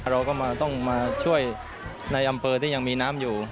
เราก็ต้องมาช่วยในอำเภอที่ยังมีน้ำอยู่